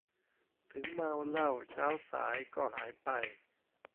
ถึงเมาเหล้า เช้าสาย ก็หายไป